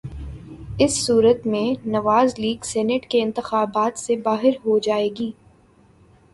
اس صورت میں Nawaz league senate کے انتخابات سے باہر ہو جائے گی۔